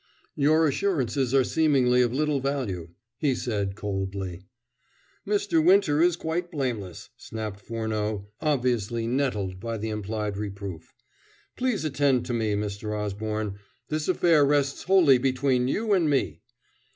"Your assurances are seemingly of little value," he said coldly. "Mr. Winter is quite blameless," snapped Furneaux, obviously nettled by the implied reproof. "Please attend to me, Mr. Osborne this affair rests wholly between you and me.